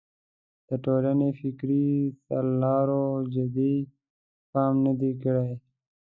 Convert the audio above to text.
د ټولنې فکري سرلارو جدي پام نه دی کړی.